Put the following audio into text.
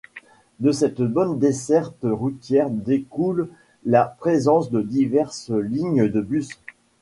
De cette bonne desserte routière découle la présence de diverses lignes de bus.